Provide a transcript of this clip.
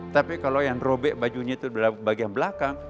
tapi kalau yang robek bajunya itu bagian belakang